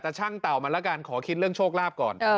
แต่ช่างเต่ามันแล้วกันขอคิดเรื่องโชคลาภก่อน